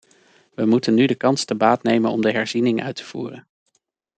We moeten nu de kans te baat nemen om de herziening uit te voeren.